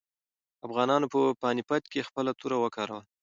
افغانانو په پاني پت کې خپله توره وکاروله.